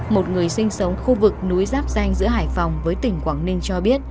một người sinh sống khu vực núi giáp danh giữa hải phòng với tỉnh quảng ninh cho biết